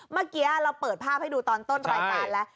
เมื่อกี้เราเปิดภาพให้ดูตอนต้นรายการแล้ว